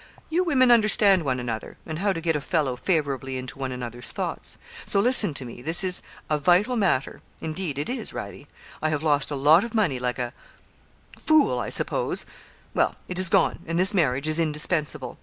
You women understand one another, and how to get a fellow favourably into one another's thoughts. So, listen to me, this is a vital matter; indeed, it is, Radie. I have lost a lot of money, like a fool, I suppose; well, it is gone, and this marriage is indispensable.